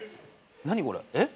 何これえっ？